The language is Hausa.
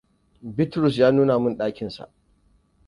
Bitrus ya nuna min ɗakinsa.